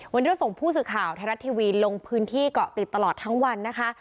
วันนี้เราส่งผู้สื่อข่าวไทยรัฐทีวีลงพื้นที่เกาะติดตลอดทั้งวันนะคะ